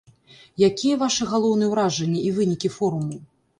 Якія вашы галоўныя ўражанні і вынікі форуму?